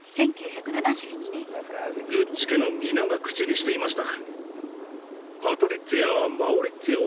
グッチ家の皆が口にしていました。